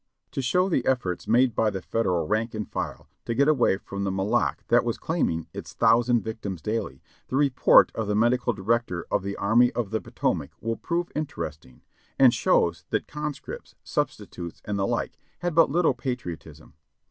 (Ibid, Vol. 42, p. 123.) To show the efforts made by Federal rank and file to get away from the Moloch that was claiming its thousand victims daily, the report of the Medical Director of the Army of the Potomac will prove interesting, and shows that conscripts, substitutes and the 38 594 JOHNNY REB AND BILLY YANK like had but little patriotism.